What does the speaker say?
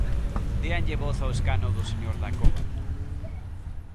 Déanlle voz ao escano do señor Dacova.